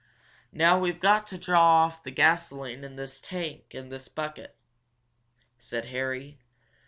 "Now we've got to draw off the gasoline in the tank in this bucket," said Harry.